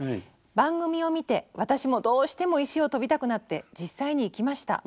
「番組を見て私もどうしても石をとびたくなって実際に行きました。